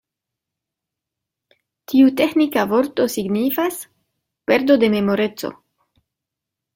Tiu teĥnika vorto signifas: perdo de memoreco.